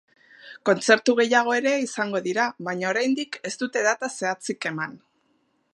Kontzertu gehiago ere izango dira, baina oraindik ez dute data zehatzik eman.